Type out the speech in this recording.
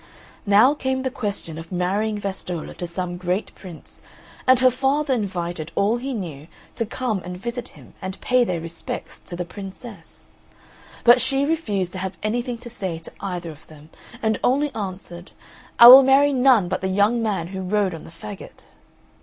Now came the question of marrying Vastolla to some great prince, and her father invited all he knew to come and visit him and pay their respects to the Princess. But she refused to have anything to say to either of them, and only answered, "I will marry none but the young man who rode on the faggot."